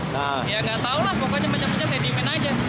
ya nggak tau lah pokoknya mencak mencak saya diimin aja